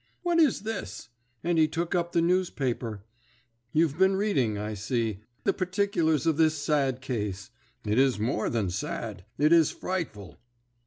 What is this?' And he took up the newspaper. 'You've been reading, I see, the particulars of this sad case. It is more than sad; it is frightful.'